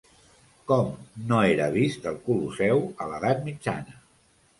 Com no era vist el Colosseu a l'edat mitjana?